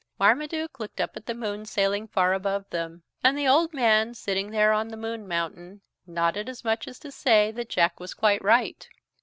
Marmaduke looked up at the moon sailing far above them. And the old man, sitting there on the moon mountain, nodded as much as to say that Jack was quite right.